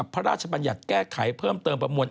พระราชบัญญัติแก้ไขเพิ่มเติมประมวล